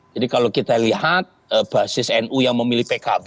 jadi kalau kita lihat basis nu yang memilih pkb itu kan tidak